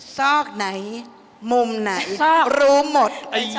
ซอกไหนมุมไหนรู้หมด